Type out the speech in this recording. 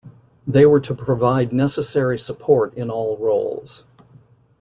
They were to provide necessary support in all roles.